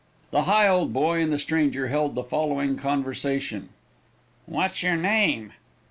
The Higholdboy and the stranger held the following conversation: "What's your name?"